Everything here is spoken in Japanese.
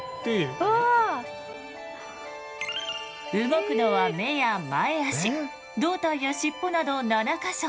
動くのは目や前あし胴体や尻尾など７か所。